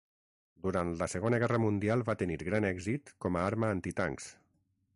Durant la Segona Guerra Mundial va tenir gran èxit com a arma antitancs.